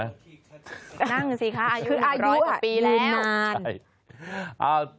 นั่งสิค่ะอายุ๑๐๐ปีแล้ว